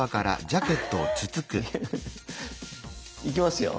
いきますよ！